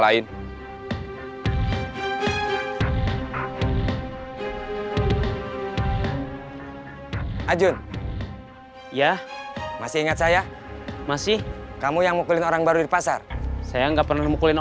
lain ajun ya masih ingat saya masih kamu yang mukulin orang baru di pasar saya enggak pernah mukulin